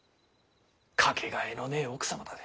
掛けがえのねぇ奥様だで。